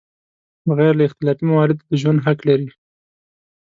بغیر له اختلافي مواردو د ژوند حق لري.